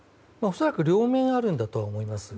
恐らく両面あると思います。